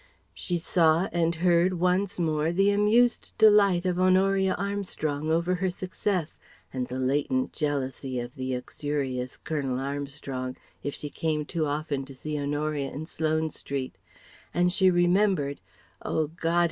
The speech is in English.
She saw and heard once more the amused delight of Honoria Armstrong over her success, and the latent jealousy of the uxorious Colonel Armstrong if she came too often to see Honoria in Sloane Street: And she remembered Oh God!